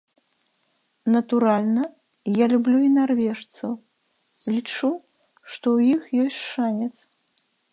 Натуральна, я люблю і нарвежцаў, лічу, што ў іх ёсць шанец.